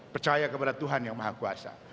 percaya kepada tuhan yang maha kuasa